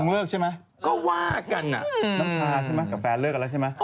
เลิกใช่ไหมก็ว่ากันน้ำชาใช่ไหมกับแฟนเลิกกันแล้วใช่ไหม